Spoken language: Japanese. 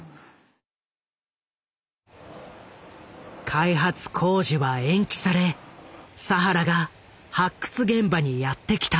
開発工事は延期され佐原が発掘現場にやって来た。